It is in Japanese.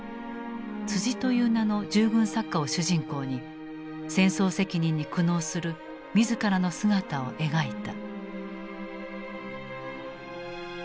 「」という名の従軍作家を主人公に戦争責任に苦悩する自らの姿を描いた。